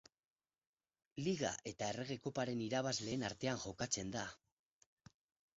Liga eta Errege Koparen irabazleen artean jokatzen da.